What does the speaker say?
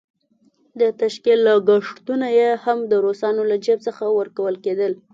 د تشکيل لګښتونه یې هم د روسانو له جېب څخه ورکول کېدل.